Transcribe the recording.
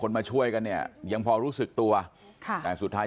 จังหวะนั้นได้ยินเสียงปืนรัวขึ้นหลายนัดเลย